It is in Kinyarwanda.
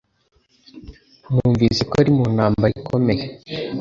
Numvise ko uri mu ntambara ikomeye